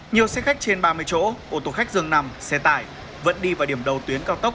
nhiều xe khách trên ba mươi chỗ ô tô khách dường nằm xe tải vẫn đi vào điểm đầu tuyến cao tốc